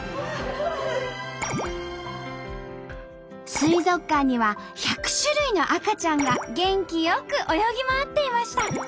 水族館には１００種類の赤ちゃんが元気よく泳ぎ回っていました。